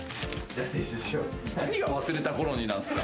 何が「忘れたころに」なんすか。